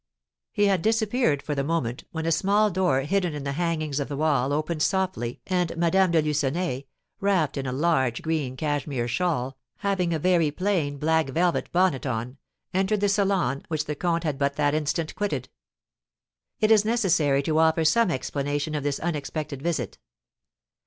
He had disappeared for the moment, when a small door hidden in the hangings of the wall opened softly, and Madame de Lucenay, wrapped in a large green cashmere shawl, having a very plain black velvet bonnet on, entered the salon, which the comte had but that instant quitted. It is necessary to offer some explanation of this unexpected visit.